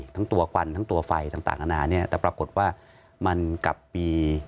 ทั้งตัวควันทั้งตัวไฟต่างอาณาเนี่ยแต่ปรากฏว่ามันกลับปี